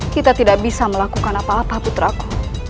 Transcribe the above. kita tidak bisa melakukan apa apa putra ku